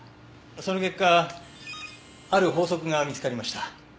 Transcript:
その結果ある法則が見つかりました。